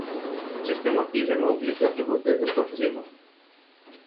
Aceste motive mă obligă să votez împotrivă.